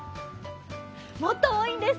もっと多いんです。